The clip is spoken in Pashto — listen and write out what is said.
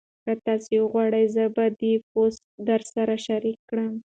که تاسي وغواړئ زه به دا پوسټ درسره شریک کړم.